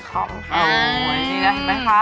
โอ้โหดีนะเห็นไหมคะ